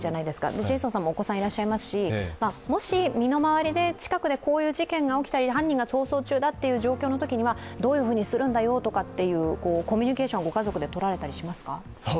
ジェイソンさんもお子さんがいらっしゃいますし、もし身近でこういう事件が起きたり犯人が逃走中だという状況のときにはどういうふうにするんだよとかっていうコミュニケーションをご家族でとられたりしますか？